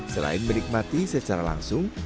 selain menikmati secara langsung